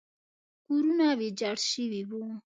کورونه ویجاړ شوي وو.